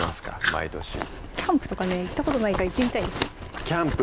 毎年キャンプとか行ったことないから行ってみたいんですけどねキャンプ！